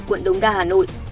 quận đông đa hà nội